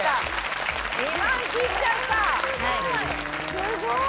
すごい！